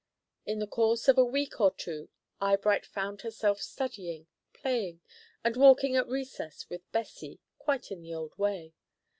In the course of a week or two, Eyebright found herself studying, playing, and walking at recess with Bessie, quite in the old way.